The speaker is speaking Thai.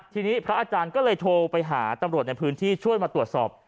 ทีนี้พระอาจารย์ก็เลยโทรไปหาตำรวจในพื้นที่ช่วยมาตรวจสอบ